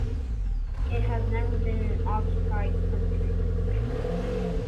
It has never been an occupied country.